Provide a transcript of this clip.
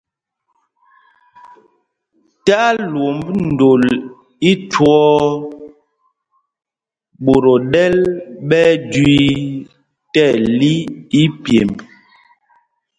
Tí alwomb ndol ithwɔɔ, ɓot o ɗɛl ɓɛ ɛjüü tí ɛli ipyemb.